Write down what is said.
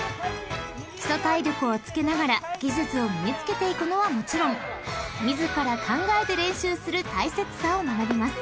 ［基礎体力をつけながら技術を身に付けていくのはもちろん自ら考えて練習する大切さを学びます］